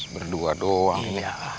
berdua doang ini iya